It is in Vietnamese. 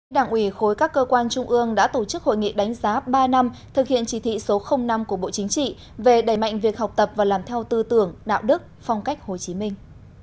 đảng ủy khối các cơ quan trung ương đã tổ chức hội nghị đánh giá ba năm thực hiện chỉ thị số năm của bộ chính trị về đẩy mạnh việc học tập và làm theo tư tưởng đạo đức phong cách hồ chí minh